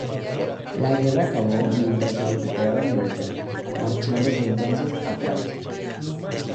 La guerra acabó mientras se recuperaba en Berga, marchándose entonces a Francia.